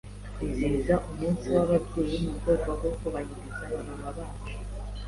Twizihiza umunsi w'ababyeyi mu rwego rwo kubahiriza ba mama bacu.